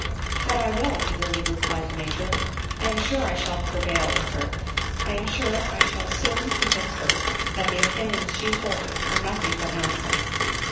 "That I will," eagerly replied the Major; "I am sure I shall prevail with her. I am sure I shall soon con vince her that the opinions she holds are nothing but nonsense."